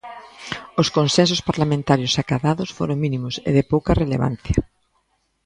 Os consensos parlamentarios acadados foron mínimos e de pouca relevancia.